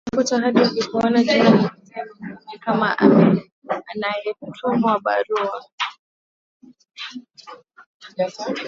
Alitafuta hadi alipoona jina la mzee Makame kama anayetumiwa barua